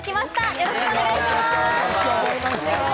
よろしくお願いします。